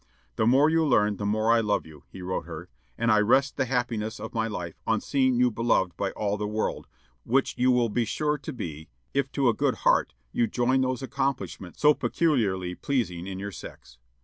"The more you learn the more I love you," he wrote her; "and I rest the happiness of my life on seeing you beloved by all the world, which you will be sure to be if to a good heart you join those accomplishments so peculiarly pleasing in your sex.